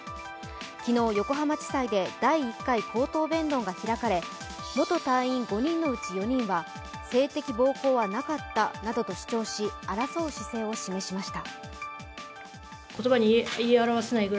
昨日、横浜地裁で第１回口頭弁論が開かれ、元隊員５人のうち４人は性的暴行はなかったなどと主張し争う姿勢を示しました。